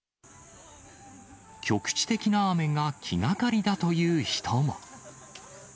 局地的な雨が気がかりだという人も。